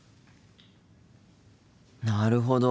なるほど。